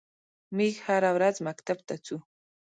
میږ هره ورځ مکتب ته څو.